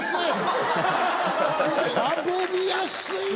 しゃべりやすいな！